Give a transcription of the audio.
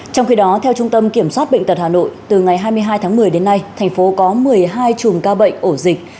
trong khi đó theo trung tâm kiểm soát bệnh tật hà nội từ ngày hai mươi hai tháng một mươi đến nay thành phố có một mươi hai chùm ca bệnh ổ dịch